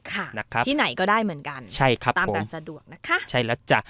ค่ะนะครับที่ไหนก็ได้เหมือนกันใช่ครับตามแต่สะดวกนะคะใช่แล้วจ้ะ